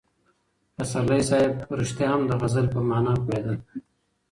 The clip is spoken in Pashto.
پسرلي صاحب په رښتیا هم د غزل په مانا پوهېده.